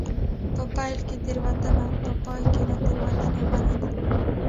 په پیل کې تېروتنه په پای کې له تېروتنې غوره ده.